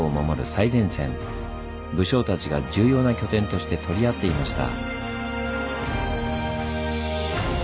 武将たちが重要な拠点として取り合っていました。